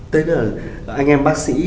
tết là anh em bác sĩ